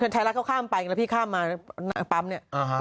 ฐายลัยเขาข้ามไปแล้วพี่ข้ามมาปั๊มาม